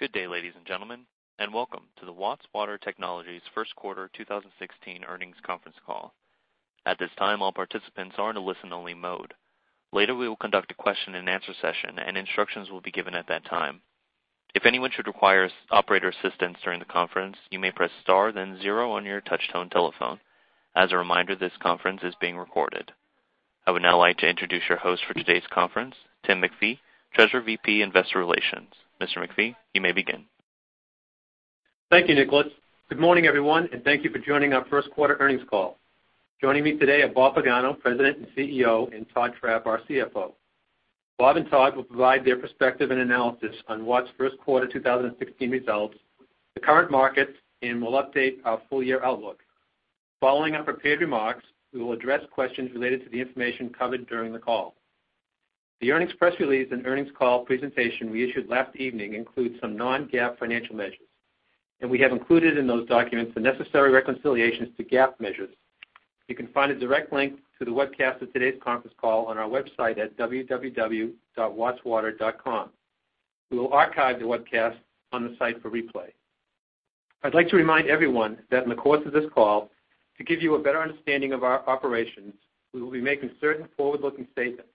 Good day, ladies and gentlemen, and welcome to the Watts Water Technologies First Quarter 2016 Earnings Conference Call. At this time, all participants are in a listen-only mode. Later, we will conduct a question-and-answer session, and instructions will be given at that time. If anyone should require operator assistance during the conference, you may press star then zero on your touchtone telephone. As a reminder, this conference is being recorded. I would now like to introduce your host for today's conference, Tim MacPhee, Treasurer, VP, Investor Relations. Mr. MacPhee, you may begin. Thank you, Nicholas. Good morning, everyone, and thank you for joining our first quarter earnings call. Joining me today are Bob Pagano, President and CEO, and Todd Trapp, our CFO. Bob and Todd will provide their perspective and analysis on Watts' First Quarter 2016 results, the current market, and will update our full-year outlook. Following our prepared remarks, we will address questions related to the information covered during the call. The earnings press release and earnings call presentation we issued last evening includes some non-GAAP financial measures, and we have included in those documents the necessary reconciliations to GAAP measures. You can find a direct link to the webcast of today's conference call on our website at www.wattswater.com. We will archive the webcast on the site for replay. I'd like to remind everyone that in the course of this call, to give you a better understanding of our operations, we will be making certain forward-looking statements.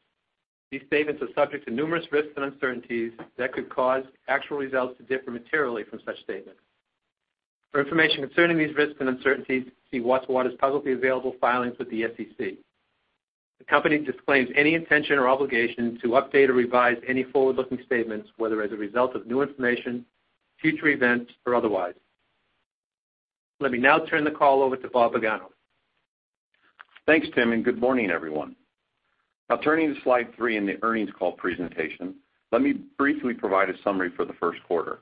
These statements are subject to numerous risks and uncertainties that could cause actual results to differ materially from such statements. For information concerning these risks and uncertainties, see Watts Water's publicly available filings with the SEC. The company disclaims any intention or obligation to update or revise any forward-looking statements, whether as a result of new information, future events, or otherwise. Let me now turn the call over to Bob Pagano. Thanks, Tim, and good morning, everyone. Now, turning to Slide 3 in the earnings call presentation, let me briefly provide a summary for the first quarter.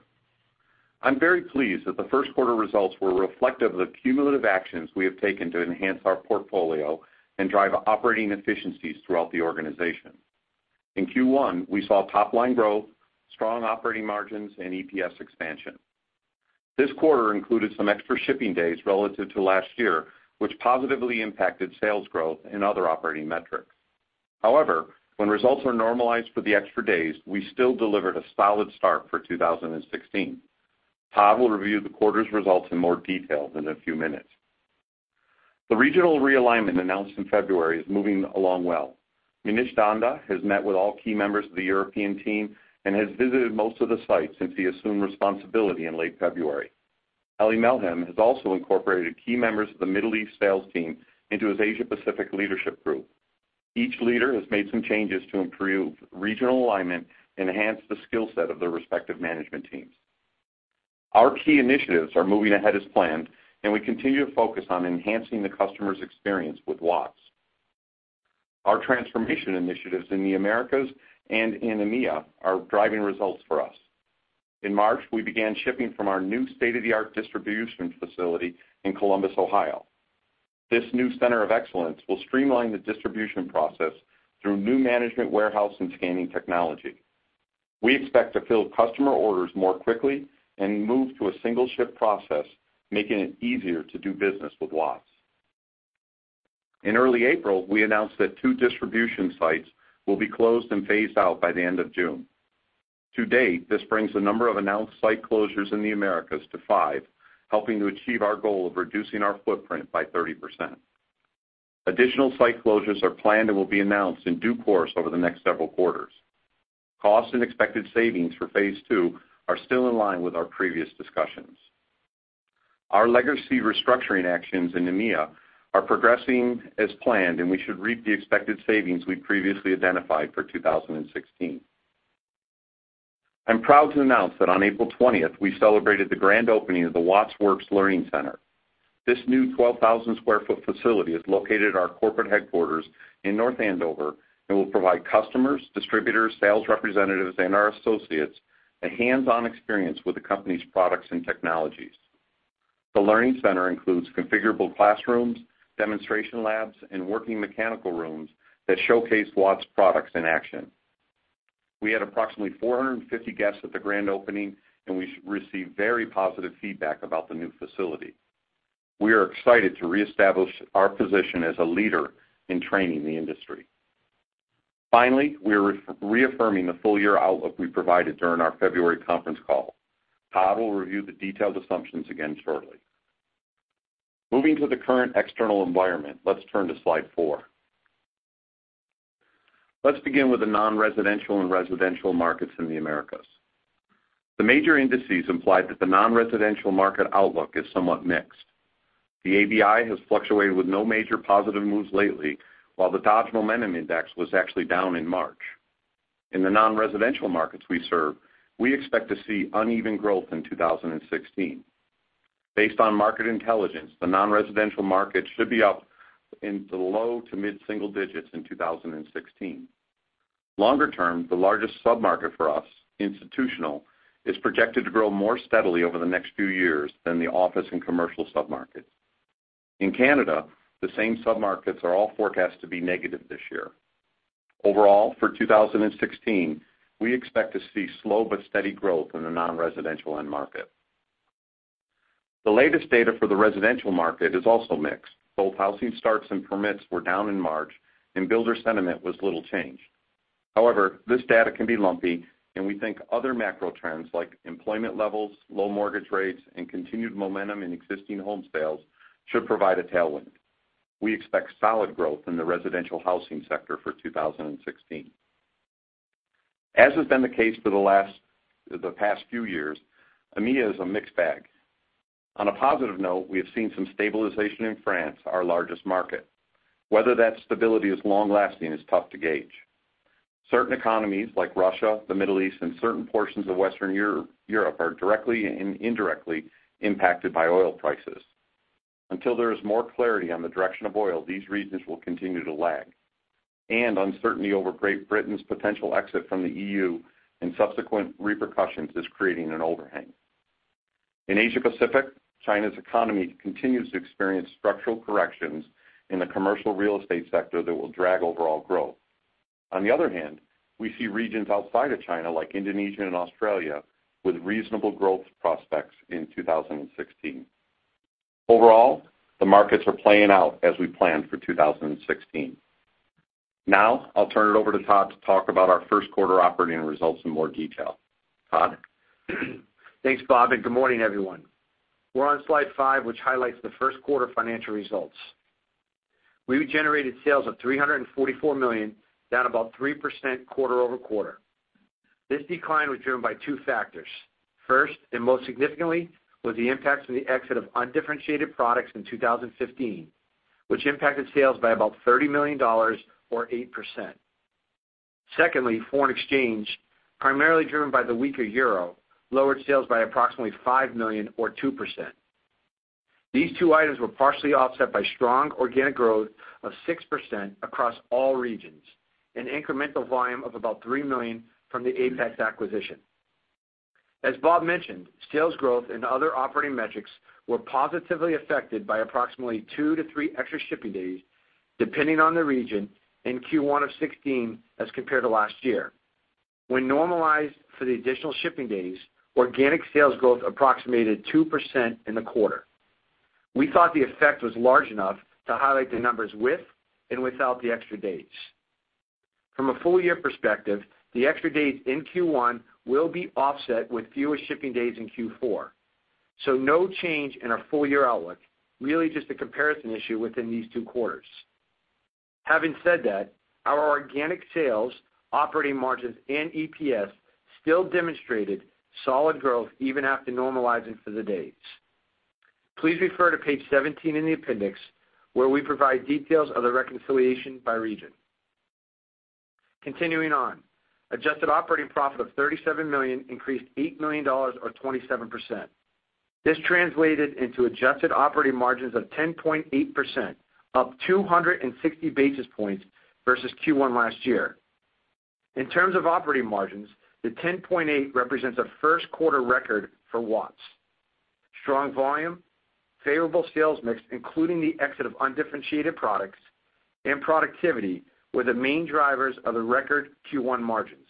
I'm very pleased that the first quarter results were reflective of the cumulative actions we have taken to enhance our portfolio and drive operating efficiencies throughout the organization. In Q1, we saw top-line growth, strong operating margins, and EPS expansion. This quarter included some extra shipping days relative to last year, which positively impacted sales growth and other operating metrics. However, when results are normalized for the extra days, we still delivered a solid start for 2016. Todd will review the quarter's results in more detail in a few minutes. The regional realignment announced in February is moving along well. Munish Nanda has met with all key members of the European team and has visited most of the sites since he assumed responsibility in late February. Elie Melhem has also incorporated key members of the Middle East sales team into his Asia Pacific leadership group. Each leader has made some changes to improve regional alignment and enhance the skill set of their respective management teams. Our key initiatives are moving ahead as planned, and we continue to focus on enhancing the customer's experience with Watts. Our transformation initiatives in the Americas and in EMEA are driving results for us. In March, we began shipping from our new state-of-the-art distribution facility in Columbus, Ohio. This new center of excellence will streamline the distribution process through new management, warehouse, and scanning technology. We expect to fill customer orders more quickly and move to a single-ship process, making it easier to do business with Watts. In early April, we announced that 2 distribution sites will be closed and phased out by the end of June. To date, this brings the number of announced site closures in the Americas to 5, helping to achieve our goal of reducing our footprint by 30%. Additional site closures are planned and will be announced in due course over the next several quarters. Cost and expected savings for phase two are still in line with our previous discussions. Our legacy restructuring actions in EMEA are progressing as planned, and we should reap the expected savings we've previously identified for 2016. I'm proud to announce that on April 20th, we celebrated the grand opening of the Watts Works Learning Center. This new 12,000 sq ft facility is located at our corporate headquarters in North Andover and will provide customers, distributors, sales representatives, and our associates a hands-on experience with the company's products and technologies. The learning center includes configurable classrooms, demonstration labs, and working mechanical rooms that showcase Watts' products in action. We had approximately 450 guests at the grand opening, and we received very positive feedback about the new facility. We are excited to reestablish our position as a leader in training the industry. Finally, we are reaffirming the full-year outlook we provided during our February conference call. Todd will review the detailed assumptions again shortly. Moving to the current external environment, let's turn to Slide 4. Let's begin with the non-residential and residential markets in the Americas. The major indices imply that the non-residential market outlook is somewhat mixed. The ABI has fluctuated with no major positive moves lately, while the Dodge Momentum Index was actually down in March. In the non-residential markets we serve, we expect to see uneven growth in 2016. Based on market intelligence, the non-residential market should be up in the low to mid-single digits in 2016. Longer term, the largest sub-market for us, institutional, is projected to grow more steadily over the next few years than the office and commercial sub-market. In Canada, the same sub-markets are all forecast to be negative this year. Overall, for 2016, we expect to see slow but steady growth in the non-residential end market. The latest data for the residential market is also mixed. Both housing starts and permits were down in March, and builder sentiment was little changed. However, this data can be lumpy, and we think other macro trends, like employment levels, low mortgage rates, and continued momentum in existing home sales, should provide a tailwind. We expect solid growth in the residential housing sector for 2016. As has been the case for the last, the past few years, EMEA is a mixed bag. On a positive note, we have seen some stabilization in France, our largest market. Whether that stability is long-lasting is tough to gauge. Certain economies, like Russia, the Middle East, and certain portions of Western Europe, Europe, are directly and indirectly impacted by oil prices. Until there is more clarity on the direction of oil, these regions will continue to lag. And uncertainty over Great Britain's potential exit from the EU and subsequent repercussions is creating an overhang. In Asia Pacific, China's economy continues to experience structural corrections in the commercial real estate sector that will drag overall growth. On the other hand, we see regions outside of China, like Indonesia and Australia, with reasonable growth prospects in 2016. Overall, the markets are playing out as we planned for 2016. Now, I'll turn it over to Todd to talk about our first quarter operating results in more detail. Todd? Thanks, Bob, and good morning, everyone. We're on slide 5, which highlights the first quarter financial results. We generated sales of $344 million, down about 3% quarter over quarter. This decline was driven by two factors. First, and most significantly, was the impacts from the exit of undifferentiated products in 2015, which impacted sales by about $30 million or 8%. Secondly, foreign exchange, primarily driven by the weaker euro, lowered sales by approximately $5 million or 2%. These two items were partially offset by strong organic growth of 6% across all regions, an incremental volume of about $3 million from the Apex acquisition. As Bob mentioned, sales growth and other operating metrics were positively affected by approximately 2-3 extra shipping days, depending on the region, in Q1 of 2016 as compared to last year. When normalized for the additional shipping days, organic sales growth approximated 2% in the quarter. We thought the effect was large enough to highlight the numbers with and without the extra days. From a full year perspective, the extra days in Q1 will be offset with fewer shipping days in Q4. So no change in our full year outlook, really just a comparison issue within these two quarters. Having said that, our organic sales, operating margins, and EPS still demonstrated solid growth even after normalizing for the days. Please refer to page 17 in the appendix, where we provide details of the reconciliation by region. Continuing on. Adjusted operating profit of $37 million increased $8 million or 27%. This translated into adjusted operating margins of 10.8%, up 260 basis points versus Q1 last year. In terms of operating margins, the 10.8 represents a first quarter record for Watts. Strong volume, favorable sales mix, including the exit of undifferentiated products and productivity, were the main drivers of the record Q1 margins.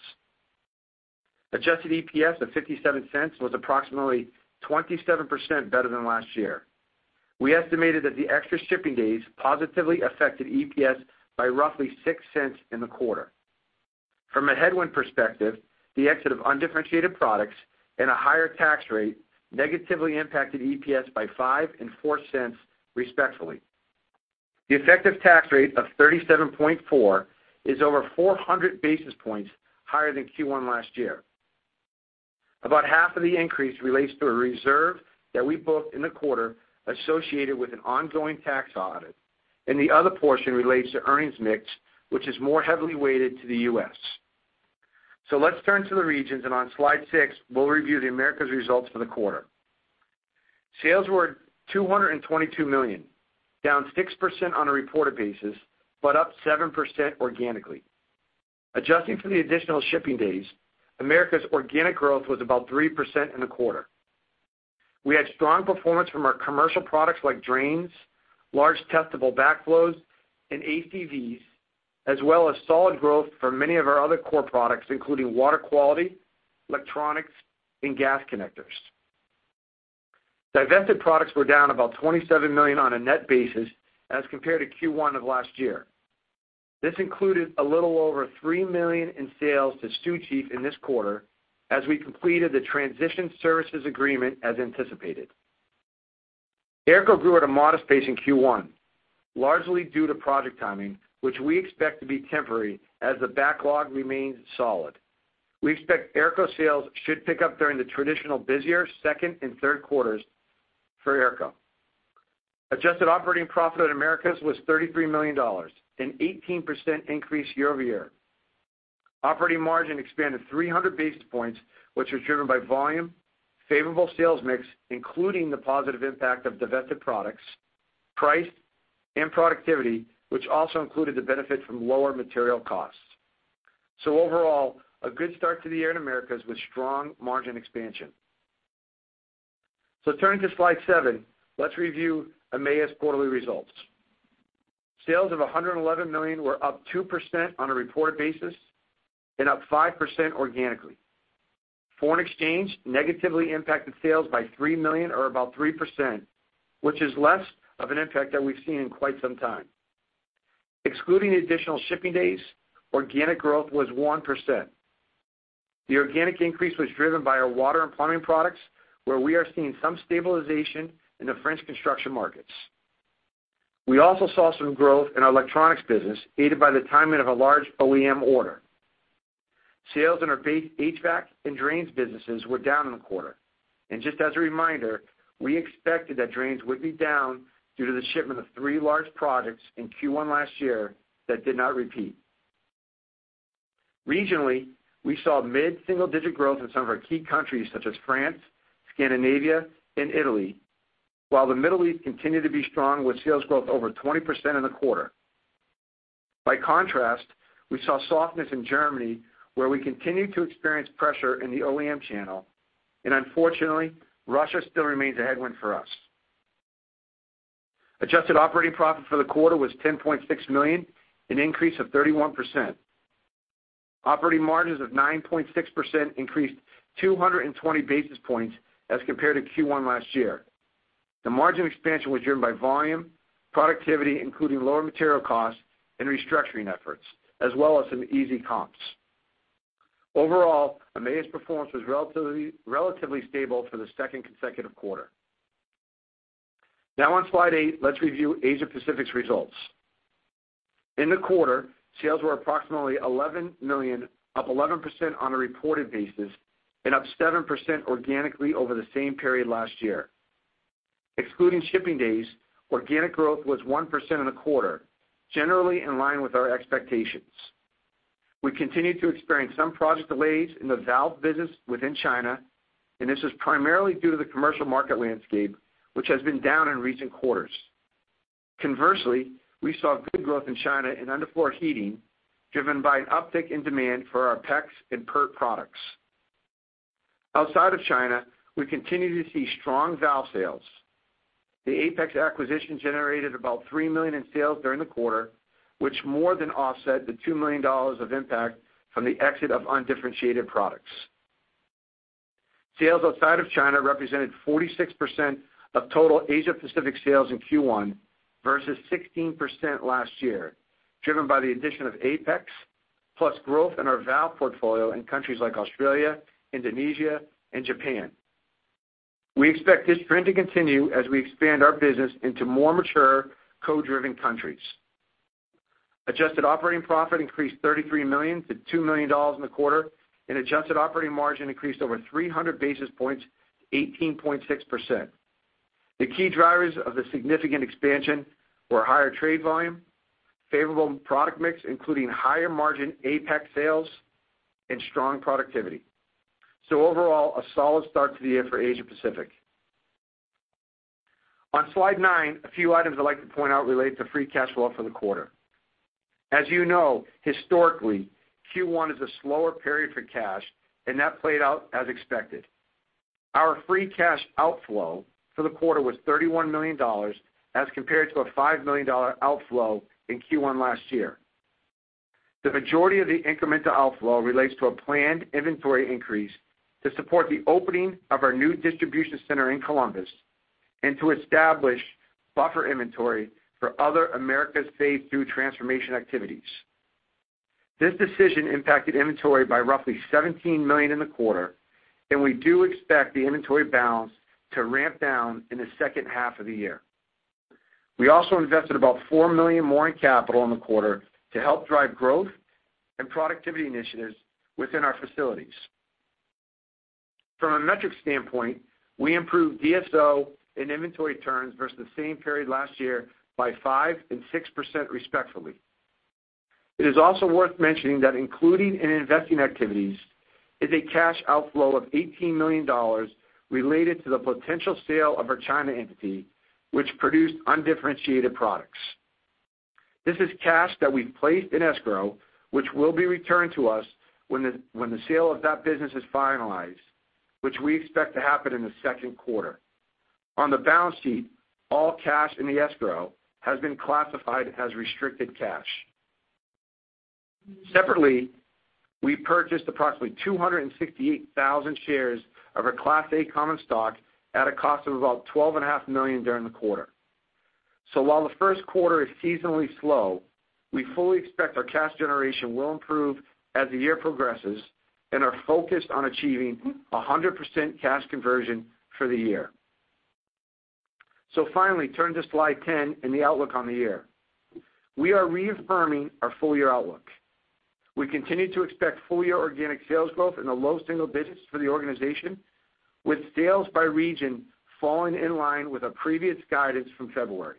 Adjusted EPS of $0.57 was approximately 27% better than last year. We estimated that the extra shipping days positively affected EPS by roughly $0.06 in the quarter. From a headwind perspective, the exit of undifferentiated products and a higher tax rate negatively impacted EPS by $0.05 and $0.04, respectively. The effective tax rate of 37.4% is over 400 basis points higher than Q1 last year. About half of the increase relates to a reserve that we booked in the quarter associated with an ongoing tax audit, and the other portion relates to earnings mix, which is more heavily weighted to the U.S. So let's turn to the regions, and on slide 6, we'll review the Americas results for the quarter. Sales were $222 million, down 6% on a reported basis, but up 7% organically. Adjusting for the additional shipping days, Americas organic growth was about 3% in the quarter. We had strong performance from our commercial products like drains, large testable backflows, and ACVs, as well as solid growth for many of our other core products, including water quality, electronics, and gas connectors. Divested products were down about $27 million on a net basis as compared to Q1 of last year. This included a little over $3 million in sales to Sioux Chief in this quarter as we completed the transition services agreement as anticipated. AERCO grew at a modest pace in Q1, largely due to project timing, which we expect to be temporary as the backlog remains solid. We expect AERCO sales should pick up during the traditional busier second and third quarters for AERCO. Adjusted operating profit in Americas was $33 million, an 18% increase year-over-year. Operating margin expanded 300 basis points, which was driven by volume, favorable sales mix, including the positive impact of divested products, price, and productivity, which also included the benefit from lower material costs. So overall, a good start to the year in Americas with strong margin expansion. So turning to slide 7, let's review EMEA's quarterly results, sales of $111 million were up 2% on a reported basis and up 5% organically. Foreign exchange negatively impacted sales by $3 million or about 3%, which is less of an impact than we've seen in quite some time. Excluding the additional shipping days, organic growth was 1%. The organic increase was driven by our water and plumbing products, where we are seeing some stabilization in the French construction markets. We also saw some growth in our electronics business, aided by the timing of a large OEM order. Sales in our HVAC and drains businesses were down in the quarter, and just as a reminder, we expected that drains would be down due to the shipment of three large products in Q1 last year that did not repeat. Regionally, we saw mid-single-digit growth in some of our key countries, such as France, Scandinavia, and Italy, while the Middle East continued to be strong, with sales growth over 20% in the quarter. By contrast, we saw softness in Germany, where we continued to experience pressure in the OEM channel, and unfortunately, Russia still remains a headwind for us. Adjusted operating profit for the quarter was $10.6 million, an increase of 31%. Operating margins of 9.6% increased 220 basis points as compared to Q1 last year. The margin expansion was driven by volume, productivity, including lower material costs and restructuring efforts, as well as some easy comps. Overall, EMEA's performance was relatively, relatively stable for the second consecutive quarter. Now, on Slide 8, let's review Asia Pacific's results. In the quarter, sales were approximately $11 million, up 11% on a reported basis and up 7% organically over the same period last year. Excluding shipping days, organic growth was 1% in the quarter, generally in line with our expectations. We continued to experience some project delays in the valve business within China, and this is primarily due to the commercial market landscape, which has been down in recent quarters. Conversely, we saw good growth in China in underfloor heating, driven by an uptick in demand for our PEX and PERT products. Outside of China, we continue to see strong valve sales. The Apex acquisition generated about $3 million in sales during the quarter, which more than offset the $2 million of impact from the exit of undifferentiated products. Sales outside of China represented 46% of total Asia Pacific sales in Q1 versus 16% last year, driven by the addition of Apex, plus growth in our valve portfolio in countries like Australia, Indonesia, and Japan. We expect this trend to continue as we expand our business into more mature code-driven countries. Adjusted operating profit increased $33 million to $2 million in the quarter, and adjusted operating margin increased over 300 basis points to 18.6%. The key drivers of the significant expansion were higher trade volume, favorable product mix, including higher margin Apex sales and strong productivity. So overall, a solid start to the year for Asia Pacific. On Slide 9, a few items I'd like to point out related to free cash flow for the quarter. As you know, historically, Q1 is a slower period for cash, and that played out as expected. Our free cash outflow for the quarter was $31 million, as compared to a $5 million dollar outflow in Q1 last year. The majority of the incremental outflow relates to a planned inventory increase to support the opening of our new distribution center in Columbus and to establish buffer inventory for other Americas phase two transformation activities. This decision impacted inventory by roughly $17 million in the quarter, and we do expect the inventory balance to ramp down in the second half of the year. We also invested about $4 million more in capital in the quarter to help drive growth and productivity initiatives within our facilities. From a metric standpoint, we improved DSO and inventory turns versus the same period last year by 5% and 6%, respectively. It is also worth mentioning that including in investing activities is a cash outflow of $18 million related to the potential sale of our China entity, which produced undifferentiated products. This is cash that we've placed in escrow, which will be returned to us when the sale of that business is finalized, which we expect to happen in the second quarter. On the balance sheet, all cash in the escrow has been classified as restricted cash. Separately, we purchased approximately 268,000 shares of our Class A common stock at a cost of about $12.5 million during the quarter. While the first quarter is seasonally slow, we fully expect our cash generation will improve as the year progresses and are focused on achieving 100% cash conversion for the year. Finally, turn to Slide 10 and the outlook on the year. We are reaffirming our full-year outlook. We continue to expect full-year organic sales growth in the low single digits for the organization, with sales by region falling in line with our previous guidance from February.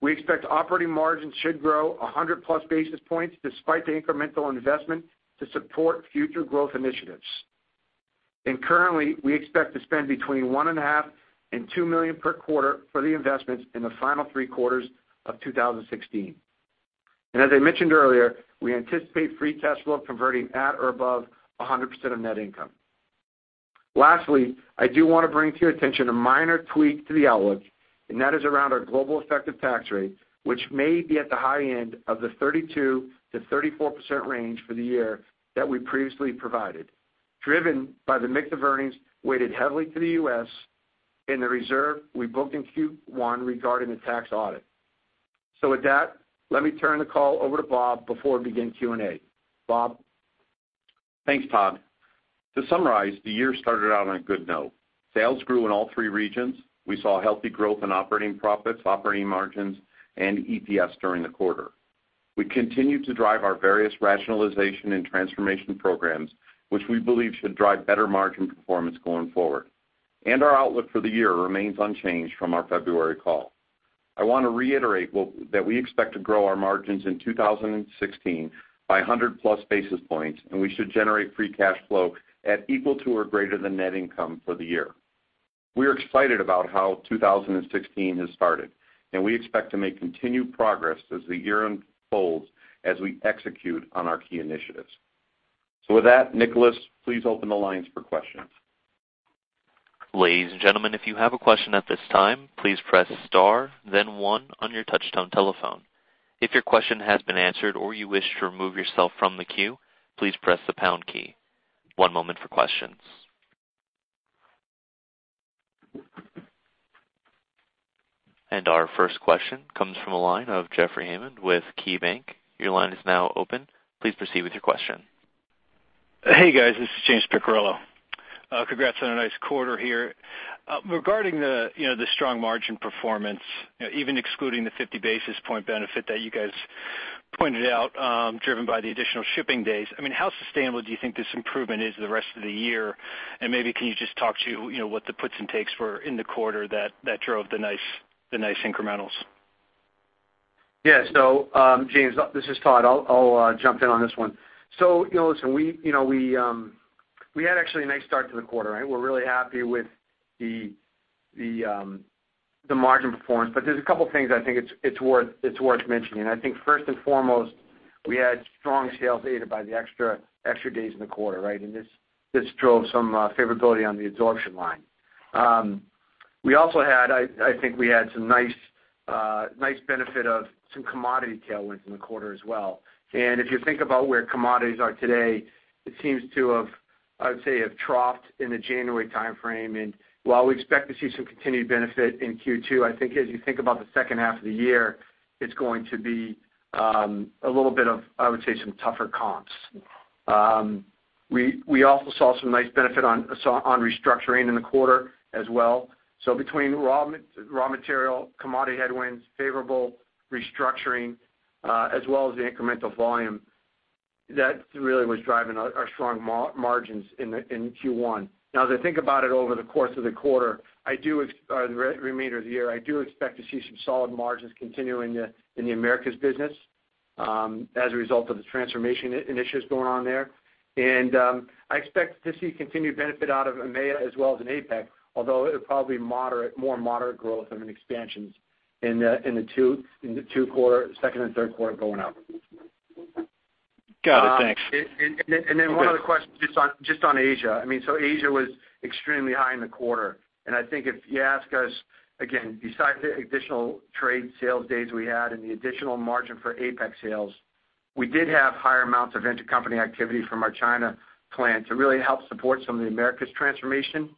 We expect operating margins should grow 100+ basis points, despite the incremental investment to support future growth initiatives. Currently, we expect to spend between $1.5 million and $2 million per quarter for the investments in the final three quarters of 2016. As I mentioned earlier, we anticipate free cash flow converting at or above 100% of net income. Lastly, I do want to bring to your attention a minor tweak to the outlook, and that is around our global effective tax rate, which may be at the high end of the 32%-34% range for the year that we previously provided, driven by the mix of earnings weighted heavily to the U.S. and the reserve we booked in Q1 regarding the tax audit. So with that, let me turn the call over to Bob before we begin Q&A. Bob? Thanks, Todd. To summarize, the year started out on a good note. Sales grew in all three regions. We saw healthy growth in operating profits, operating margins, and EPS during the quarter. We continued to drive our various rationalization and transformation programs, which we believe should drive better margin performance going forward. And our outlook for the year remains unchanged from our February call. I want to reiterate that we expect to grow our margins in 2016 by 100+ basis points, and we should generate free cash flow at equal to or greater than net income for the year. We are excited about how 2016 has started, and we expect to make continued progress as the year unfolds as we execute on our key initiatives. So with that, Nicholas, please open the lines for questions. Ladies and gentlemen, if you have a question at this time, please press star, then one on your touchtone telephone. If your question has been answered or you wish to remove yourself from the queue, please press the pound key. One moment for questions. Our first question comes from the line of Jeffrey Hammond with KeyBanc. Your line is now open. Please proceed with your question. Hey, guys, this is James Picariello. Congrats on a nice quarter here. Regarding the, you know, the strong margin performance, even excluding the 50 basis point benefit that you guys pointed out, driven by the additional shipping days, I mean, how sustainable do you think this improvement is the rest of the year? And maybe can you just talk to, you know, what the puts and takes were in the quarter that drove the nice incrementals? Yeah. So, James, this is Todd. I'll jump in on this one. So, you know, listen, we had actually a nice start to the quarter, right? We're really happy with the margin performance, but there's a couple of things I think it's worth mentioning. I think first and foremost, we had strong sales aided by the extra days in the quarter, right? And this drove some favorability on the absorption line. We also had some nice benefit of some commodity tailwinds in the quarter as well. And if you think about where commodities are today, it seems to have, I would say, troughed in the January time frame. While we expect to see some continued benefit in Q2, I think as you think about the second half of the year, it's going to be a little bit of, I would say, some tougher comps. We also saw some nice benefit on restructuring in the quarter as well. Between raw material commodity headwinds, favorable restructuring, as well as the incremental volume, that really was driving our strong margins in Q1. Now, as I think about it over the course of the remainder of the year, I do expect to see some solid margins continuing in the Americas business, as a result of the transformation initiatives going on there. I expect to see continued benefit out of EMEA as well as in APAC, although it'll probably moderate, more moderate growth and expansions in the second and third quarter going out. Got it. Thanks. And then one other question just on Asia. I mean, so Asia was extremely high in the quarter. And I think if you ask us, again, besides the additional trade sales days we had and the additional margin for APAC sales, we did have higher amounts of intercompany activity from our China plant to really help support some of the Americas transformation,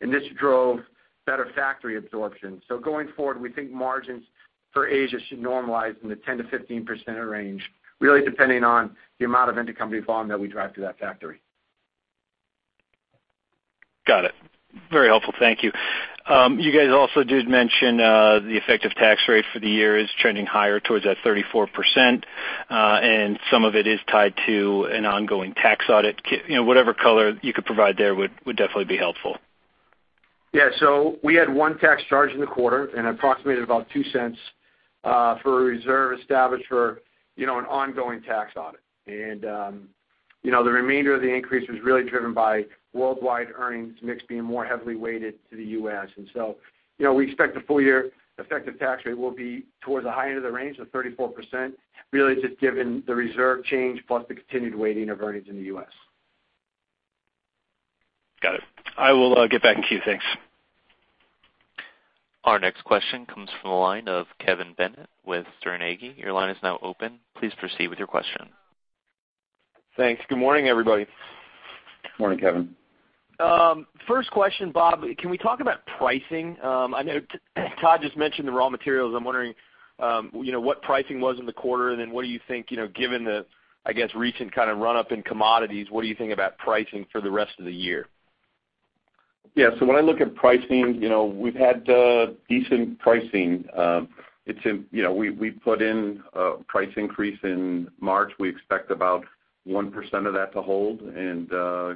and this drove better factory absorption. So going forward, we think margins for Asia should normalize in the 10%-15% range, really depending on the amount of intercompany volume that we drive through that factory. Got it. Very helpful. Thank you. You guys also did mention the effective tax rate for the year is trending higher towards that 34%, and some of it is tied to an ongoing tax audit. You know, whatever color you could provide there would definitely be helpful. Yeah, so we had one tax charge in the quarter and approximately about $0.02 for a reserve established for, you know, an ongoing tax audit. And, you know, the remainder of the increase was really driven by worldwide earnings mix being more heavily weighted to the U.S. And so, you know, we expect the full year effective tax rate will be towards the high end of the range of 34%, really just given the reserve change plus the continued weighting of earnings in the U.S. Got it. I will get back to you. Thanks. Our next question comes from the line of Kevin Bennett with Stifel. Your line is now open. Please proceed with your question. Thanks. Good morning, everybody. Morning, Kevin. First question, Bob, can we talk about pricing? I know Todd just mentioned the raw materials. I'm wondering, you know, what pricing was in the quarter, and then what do you think, you know, given the, I guess, recent kind of run-up in commodities, what do you think about pricing for the rest of the year? Yeah, so when I look at pricing, you know, we've had decent pricing. It's, you know, we put in a price increase in March. We expect about 1% of that to hold, and,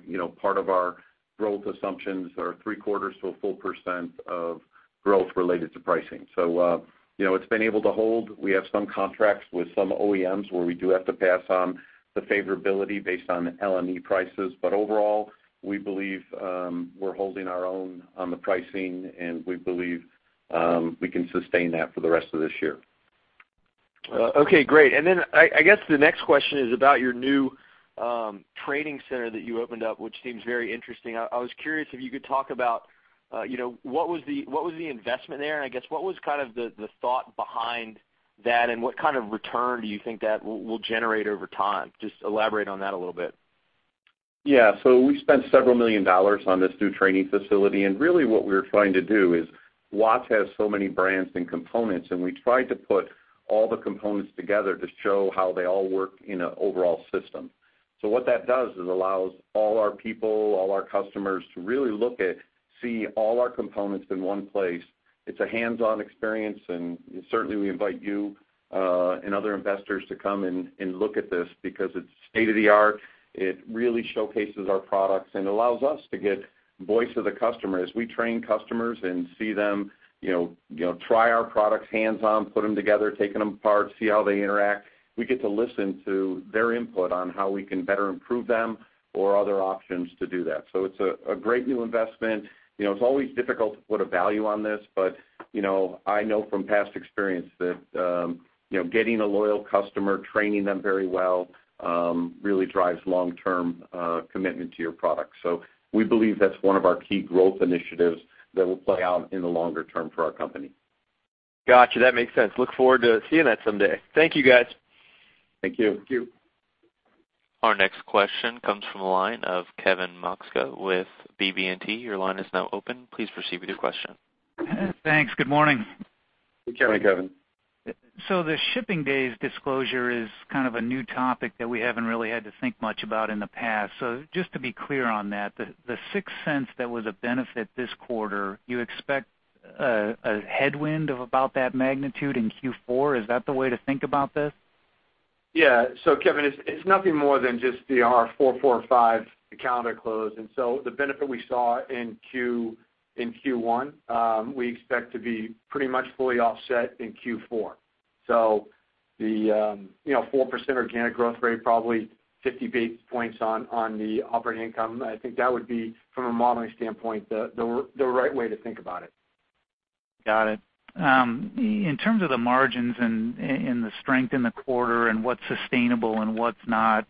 you know, part of our growth assumptions are 0.75%-1% of growth related to pricing. So, you know, it's been able to hold. We have some contracts with some OEMs, where we do have to pass on the favorability based on the LME prices. But overall, we believe, we're holding our own on the pricing, and we believe, we can sustain that for the rest of this year.... Okay, great. And then I guess the next question is about your new training center that you opened up, which seems very interesting. I was curious if you could talk about, you know, what was the investment there? And I guess, what was kind of the thought behind that, and what kind of return do you think that will generate over time? Just elaborate on that a little bit. Yeah. So we spent $several million on this new training facility, and really what we're trying to do is Watts has so many brands and components, and we tried to put all the components together to show how they all work in an overall system. So what that does is allows all our people, all our customers to really look at, see all our components in one place. It's a hands-on experience, and certainly, we invite you and other investors to come and look at this because it's state-of-the-art. It really showcases our products and allows us to get voice of the customer. As we train customers and see them, you know, try our products hands-on, put them together, taking them apart, see how they interact, we get to listen to their input on how we can better improve them or other options to do that. So it's a great new investment. You know, it's always difficult to put a value on this, but, you know, I know from past experience that, you know, getting a loyal customer, training them very well, really drives long-term commitment to your product. So we believe that's one of our key growth initiatives that will play out in the longer term for our company. Got you. That makes sense. Look forward to seeing that someday. Thank you, guys. Thank you. Thank you. Our next question comes from the line of Kevin Maczka with BB&T. Your line is now open. Please proceed with your question. Thanks. Good morning. Good morning, Kevin. The shipping days disclosure is kind of a new topic that we haven't really had to think much about in the past. Just to be clear on that, the six cents that was a benefit this quarter, you expect a headwind of about that magnitude in Q4? Is that the way to think about this? Yeah. So Kevin, it's nothing more than just the 4-4-5, the calendar close. And so the benefit we saw in Q1, we expect to be pretty much fully offset in Q4. So, you know, 4% organic growth rate, probably 50 basis points on the operating income. I think that would be, from a modeling standpoint, the right way to think about it. Got it. In terms of the margins and the strength in the quarter and what's sustainable and what's not,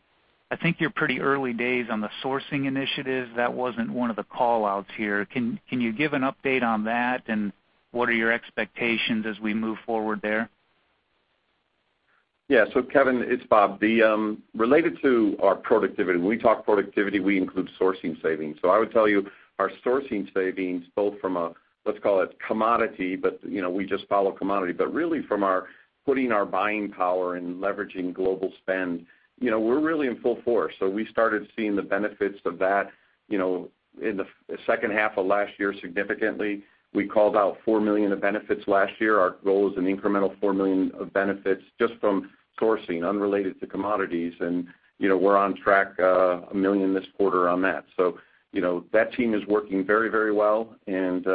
I think you're pretty early days on the sourcing initiatives. That wasn't one of the call-outs here. Can you give an update on that, and what are your expectations as we move forward there? Yeah. So Kevin, it's Bob. The related to our productivity, when we talk productivity, we include sourcing savings. So I would tell you, our sourcing savings, both from a, let's call it commodity, but, you know, we just follow commodity, but really from our putting our buying power and leveraging global spend, you know, we're really in full force. So we started seeing the benefits of that, you know, in the second half of last year, significantly. We called out $4 million of benefits last year. Our goal is an incremental $4 million of benefits just from sourcing, unrelated to commodities. And, you know, we're on track, a million this quarter on that. So, you know, that team is working very, very well, and,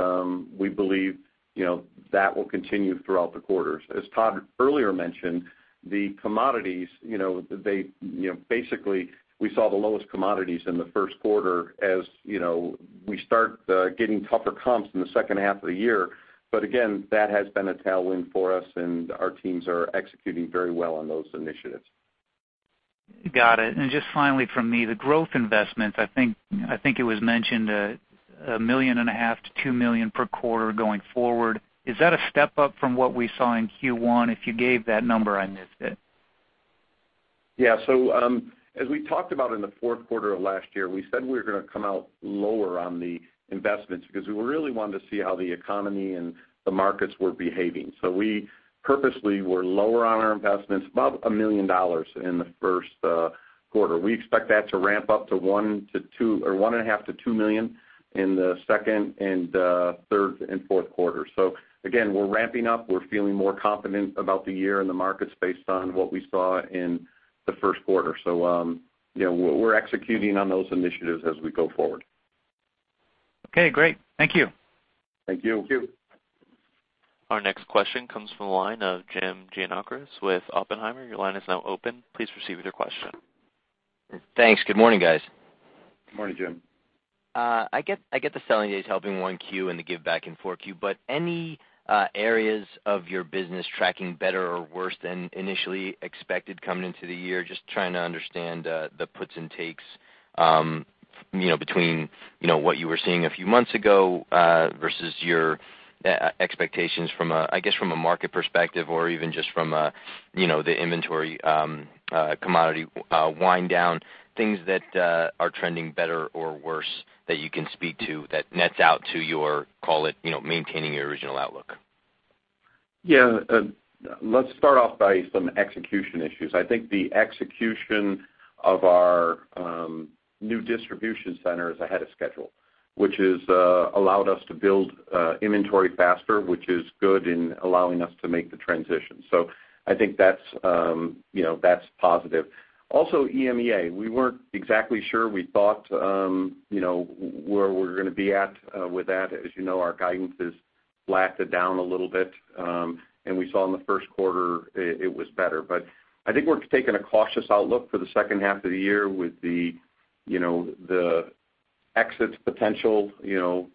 we believe, you know, that will continue throughout the quarters. As Todd earlier mentioned, the commodities, you know, they, you know, basically, we saw the lowest commodities in the first quarter as, you know, we start getting tougher comps in the second half of the year. But again, that has been a tailwind for us, and our teams are executing very well on those initiatives. Got it. And just finally from me, the growth investments, I think, I think it was mentioned, $1.5 million-$2 million per quarter going forward. Is that a step up from what we saw in Q1? If you gave that number, I missed it. Yeah. So, as we talked about in the fourth quarter of last year, we said we were gonna come out lower on the investments because we really wanted to see how the economy and the markets were behaving. So we purposely were lower on our investments, about $1 million in the first quarter. We expect that to ramp up to $1-$2 million or $1.5-$2 million in the second and third and fourth quarter. So again, we're ramping up. We're feeling more confident about the year and the markets based on what we saw in the first quarter. So, you know, we're, we're executing on those initiatives as we go forward. Okay, great. Thank you. Thank you. Thank you. Our next question comes from the line of Jim Giannakouros with Oppenheimer. Your line is now open. Please proceed with your question. Thanks. Good morning, guys. Good morning, Jim. I get, I get the selling day is helping Q1 and the give back in Q4, but any areas of your business tracking better or worse than initially expected coming into the year? Just trying to understand the puts and takes, you know, between, you know, what you were seeing a few months ago versus your expectations from a, I guess, from a market perspective, or even just from a, you know, the inventory, commodity wind down, things that are trending better or worse, that you can speak to, that nets out to your, call it, you know, maintaining your original outlook. Yeah. Let's start off with some execution issues. I think the execution of our new distribution center is ahead of schedule, which has allowed us to build inventory faster, which is good in allowing us to make the transition. So I think that's, you know, that's positive. Also, EMEA, we weren't exactly sure. We thought, you know, where we're gonna be at with that. As you know, our guidance is dialed it down a little bit, and we saw in the first quarter, it was better. But I think we're taking a cautious outlook for the second half of the year with the, you know, the exit potential, you know,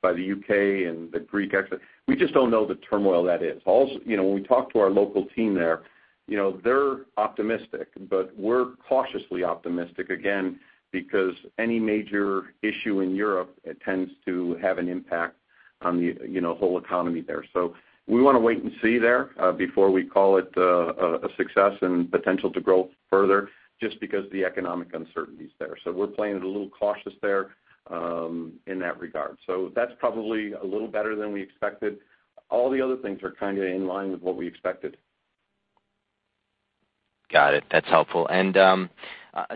by the UK and the Greek exit. We just don't know the turmoil that is. Also, you know, when we talk to our local team there, you know, they're optimistic, but we're cautiously optimistic, again, because any major issue in Europe, it tends to have an impact on the, you know, whole economy there. So we wanna wait and see there before we call it a success and potential to grow further, just because the economic uncertainty is there. So we're playing it a little cautious there in that regard. So that's probably a little better than we expected. All the other things are kind of in line with what we expected. Got it. That's helpful. And,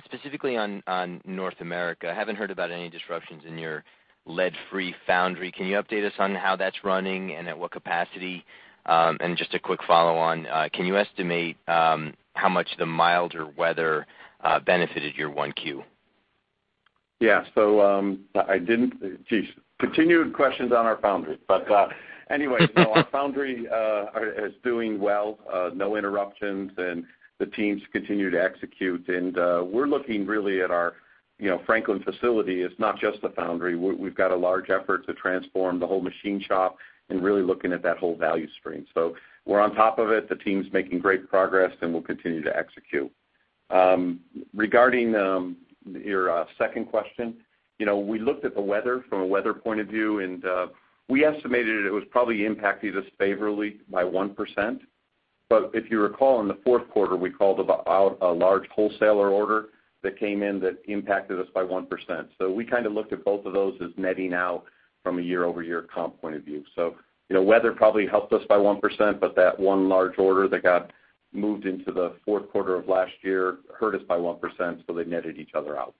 specifically on North America, I haven't heard about any disruptions in your lead-free foundry. Can you update us on how that's running and at what capacity? And just a quick follow-on, can you estimate how much the milder weather benefited your 1Q? Yeah. So, continued questions on our foundry. But, so our foundry is doing well, no interruptions, and the teams continue to execute. And, we're looking really at our, you know, Franklin facility is not just a foundry. We've got a large effort to transform the whole machine shop and really looking at that whole value stream. So we're on top of it. The team's making great progress, and we'll continue to execute. Regarding your second question, you know, we looked at the weather from a weather point of view, and we estimated it was probably impacting us favorably by 1%. But if you recall, in the fourth quarter, we called about a large wholesaler order that came in that impacted us by 1%. We kind of looked at both of those as netting out from a year-over-year comp point of view. You know, weather probably helped us by 1%, but that one large order that got moved into the fourth quarter of last year hurt us by 1%, so they netted each other out.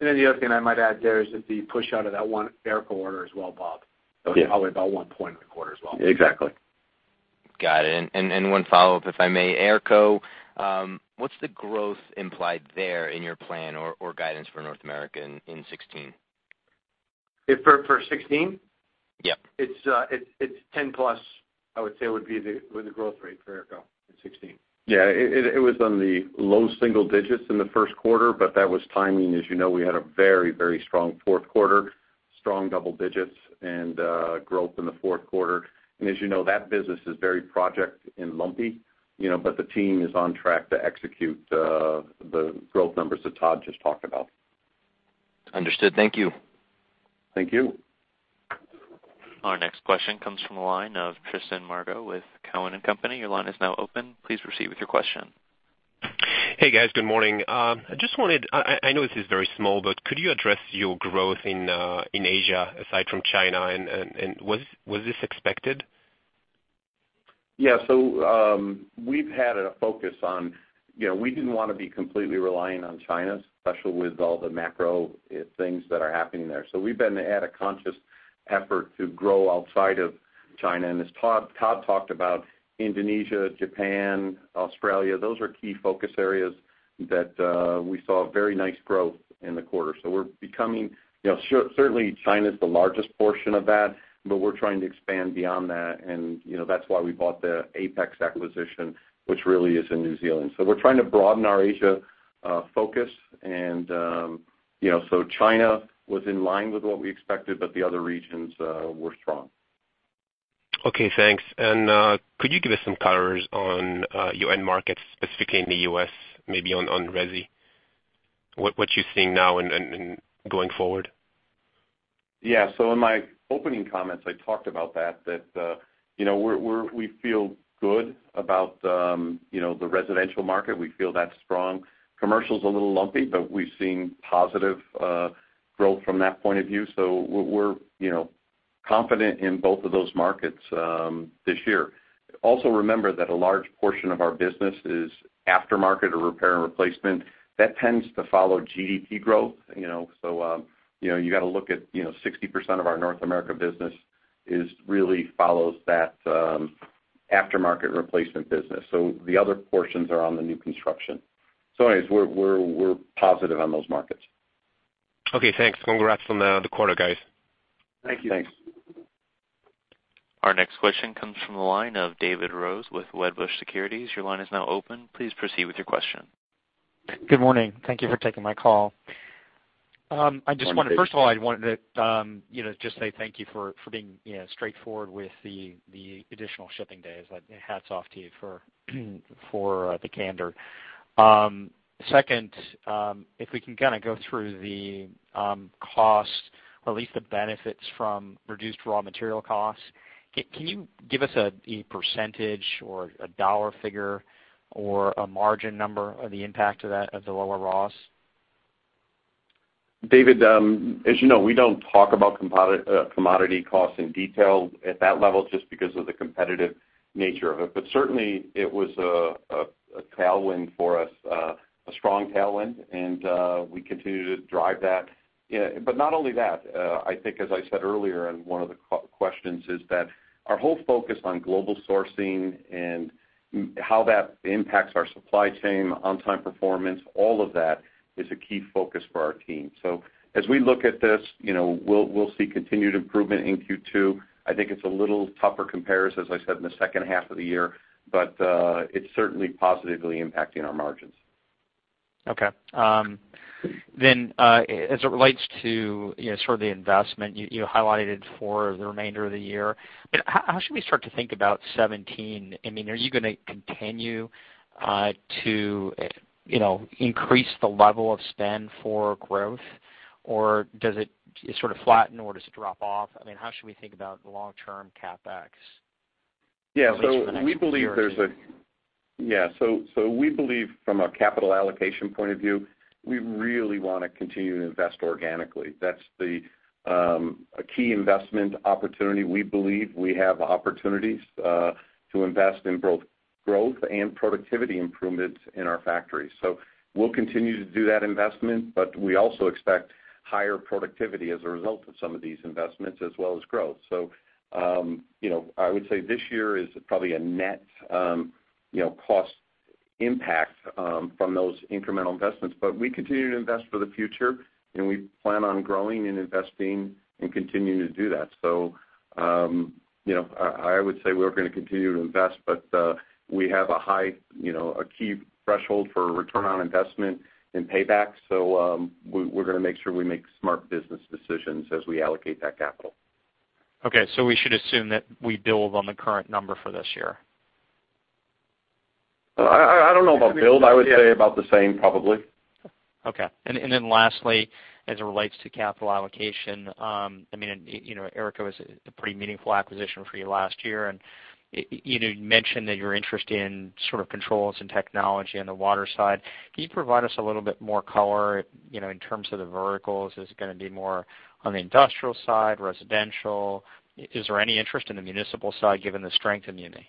Then the other thing I might add there is that the push out of that one AERCO order as well, Bob. Yeah. It's probably about 1 point in the quarter as well. Exactly. Got it. And one follow-up, if I may. AERCO, what's the growth implied there in your plan or guidance for North America in 2016? If for 2016? Yeah. It's 10+, I would say, would be the growth rate for AERCO in 2016. Yeah, it was on the low single digits in the first quarter, but that was timing. As you know, we had a very, very strong fourth quarter, strong double digits and growth in the fourth quarter. And as you know, that business is very project and lumpy, you know, but the team is on track to execute the growth numbers that Todd just talked about. Understood. Thank you. Thank you. Our next question comes from the line of Tristan Margot with Cowen and Company. Your line is now open. Please proceed with your question. Hey, guys, good morning. I just wanted... I know this is very small, but could you address your growth in Asia, aside from China, and was this expected? Yeah. So, we've had a focus on, you know, we didn't wanna be completely relying on China, especially with all the macro things that are happening there. So we've been at a conscious effort to grow outside of China. And as Todd talked about Indonesia, Japan, Australia, those are key focus areas that we saw very nice growth in the quarter. So we're becoming, you know, certainly, China is the largest portion of that, but we're trying to expand beyond that, and, you know, that's why we bought the Apex Acquisition, which really is in New Zealand. So we're trying to broaden our Asia focus. And, you know, so China was in line with what we expected, but the other regions were strong. Okay, thanks. And could you give us some colors on your end markets, specifically in the U.S., maybe on resi? What you're seeing now and going forward? Yeah. So in my opening comments, I talked about that, you know, we feel good about, you know, the residential market. We feel that's strong. Commercial's a little lumpy, but we've seen positive growth from that point of view. So we're, you know, confident in both of those markets, this year. Also, remember that a large portion of our business is aftermarket or repair and replacement. That tends to follow GDP growth, you know? So, you know, you gotta look at, you know, 60% of our North America business really follows that, aftermarket replacement business. So the other portions are on the new construction. So anyways, we're positive on those markets. Okay, thanks. Congrats on the quarter, guys. Thank you. Thanks. Our next question comes from the line of David Rose with Wedbush Securities. Your line is now open. Please proceed with your question. Good morning. Thank you for taking my call. I just wanted- Good morning, David. First of all, I wanted to, you know, just say thank you for, for being, you know, straightforward with the, the additional shipping days. Hats off to you for, for, the candor. Second, if we can kind of go through the, cost, or at least the benefits from reduced raw material costs, can you give us a, a percentage or a dollar figure or a margin number of the impact of that, of the lower raws? David, as you know, we don't talk about commodity costs in detail at that level just because of the competitive nature of it. But certainly, it was a tailwind for us, a strong tailwind, and we continue to drive that. Yeah, but not only that, I think, as I said earlier in one of the questions, is that our whole focus on global sourcing and how that impacts our supply chain, on-time performance, all of that is a key focus for our team. So as we look at this, you know, we'll see continued improvement in Q2. I think it's a little tougher comparison, as I said, in the second half of the year, but it's certainly positively impacting our margins. ... Okay. Then, as it relates to, you know, sort of the investment you highlighted for the remainder of the year, but how should we start to think about 2017? I mean, are you gonna continue to, you know, increase the level of spend for growth, or does it sort of flatten or does it drop off? I mean, how should we think about the long-term CapEx? Yeah, so we believe there's a- For the next year or two. Yeah. So we believe from a capital allocation point of view, we really wanna continue to invest organically. That's the a key investment opportunity. We believe we have opportunities to invest in both growth and productivity improvements in our factories. So we'll continue to do that investment, but we also expect higher productivity as a result of some of these investments, as well as growth. So you know, I would say this year is probably a net you know cost impact from those incremental investments. But we continue to invest for the future, and we plan on growing and investing and continuing to do that. So you know, I would say we're gonna continue to invest, but we have a high you know a key threshold for return on investment and payback. We're gonna make sure we make smart business decisions as we allocate that capital. Okay, so we should assume that we build on the current number for this year? I don't know about build. I would say about the same, probably. Okay. And then lastly, as it relates to capital allocation, I mean, you know, AERCO was a pretty meaningful acquisition for you last year, and you know, you mentioned that you're interested in sort of controls and technology on the water side. Can you provide us a little bit more color, you know, in terms of the verticals? Is it gonna be more on the industrial side, residential? Is there any interest in the municipal side, given the strength in muni?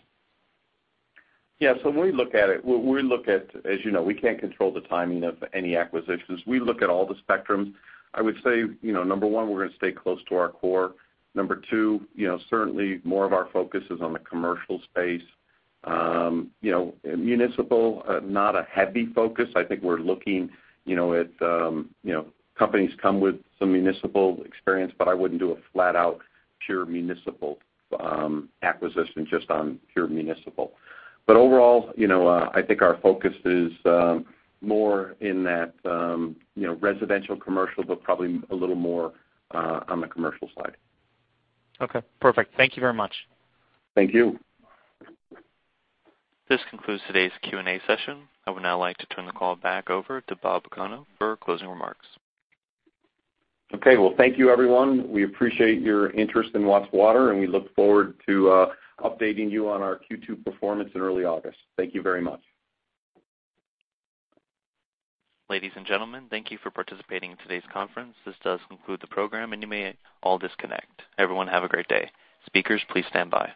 Yeah. So when we look at it, we look at... As you know, we can't control the timing of any acquisitions. We look at all the spectrums. I would say, you know, number one, we're gonna stay close to our core. Number two, you know, certainly more of our focus is on the commercial space. You know, municipal, not a heavy focus. I think we're looking, you know, at, you know, companies come with some municipal experience, but I wouldn't do a flat-out pure municipal acquisition just on pure municipal. But overall, you know, I think our focus is more in that, you know, residential, commercial, but probably a little more on the commercial side. Okay, perfect. Thank you very much. Thank you. This concludes today's Q&A session. I would now like to turn the call back over to Bob Pagano for closing remarks. Okay. Well, thank you, everyone. We appreciate your interest in Watts Water, and we look forward to updating you on our Q2 performance in early August. Thank you very much. Ladies and gentlemen, thank you for participating in today's conference. This does conclude the program, and you may all disconnect. Everyone, have a great day. Speakers, please stand by.